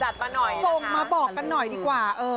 ส่งมาบอกกันหน่อยดีกว่า